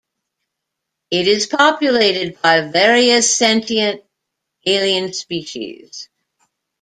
It is populated by various sentient alien species.